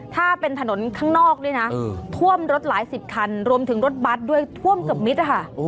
ถ้าเป็นถนนข้างนอกด้วยนะท่วมรถหลายสิบคันรวมถึงรถบัตรด้วยท่วมเกือบมิตรค่ะ